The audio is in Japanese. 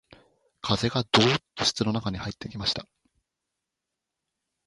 風がどうっと室の中に入ってきました